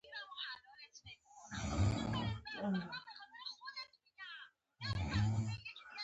لښکرونه په ډالرو چلیږي او دفترونه هم د ډالر شول.